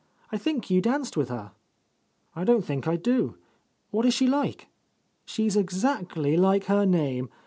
I think you danced with her." "I don't think I do. What is she like?" "She's exactly like her name.